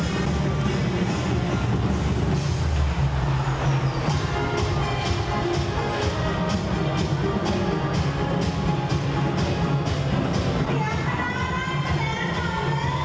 สำรวจการท่านทำร่างเจ็บของที่ได้เลยจ้า